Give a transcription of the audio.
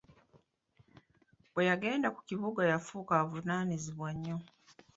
Bwe yagenda ku kibuga yafuuka wa buvunaanyizibwa nnyo.